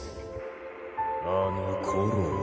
あの頃は